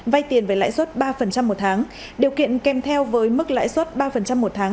vay tiền với lãi suất ba một tháng điều kiện kèm theo với mức lãi suất ba một tháng